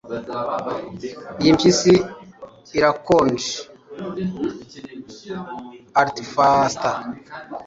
Iyi mpeshyi irakonje (Artfanster)